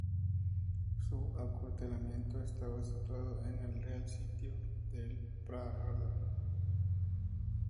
Su acuartelamiento estaba situado en el Real Sitio de El Pardo.